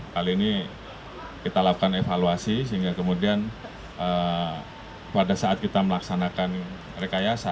kali ini kita lakukan evaluasi sehingga kemudian pada saat kita melaksanakan rekayasa